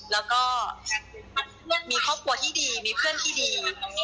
แล้วก็มีครอบครัวที่ดีมีเพื่อนที่ดี